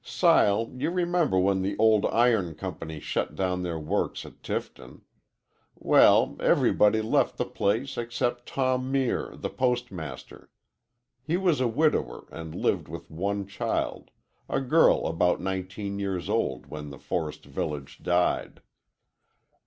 Sile, you remember when the old iron company shut down their works at Tifton. Well, everybody left the place except Tom Muir, the postmaster. He was a widower, and lived with one child a girl about nineteen years old when the forest village died.